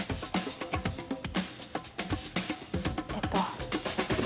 えっと。